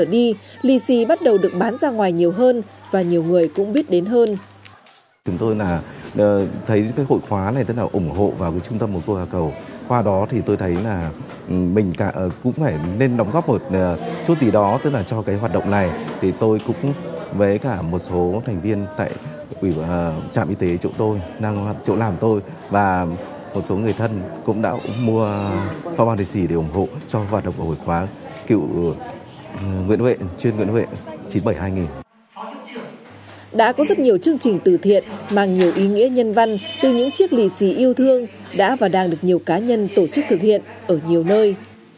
đã có rất nhiều chương trình từ thiện mang nhiều ý nghĩa nhân văn từ những chiếc lì xì yêu thương đã và đang được nhiều cá nhân tổ chức thực hiện ở nhiều nơi